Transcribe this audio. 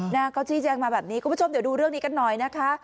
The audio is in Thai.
นะเขาชี้แจงมาแบบนี้คุณผู้ชมเดี๋ยวดูเรื่องนี้กันหน่อยนะคะ